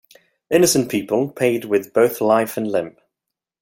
Innocent people paid with both life and limb.